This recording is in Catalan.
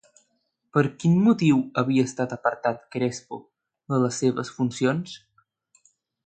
Per quin motiu havia estat apartat Crespo de les seves funcions?